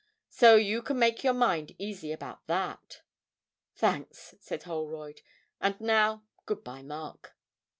So you can make your mind easy about that.' 'Thanks,' said Holroyd; 'and now, good bye, Mark.'